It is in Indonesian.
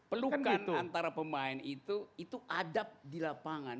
pelukan antara pemain itu itu adab di lapangan